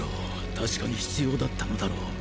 確かに必要だったのだろう。